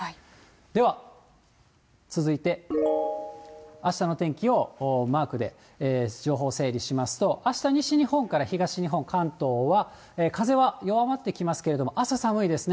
では続いて、あしたの天気をマークで情報整理しますと、あした、西日本から東日本、関東は風は弱まってきますけれども、朝寒いですね。